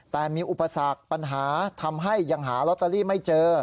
แต่มีอุปสรรคปัญหาทำให้ยังหาลอตเตอรี่ไม่เจอ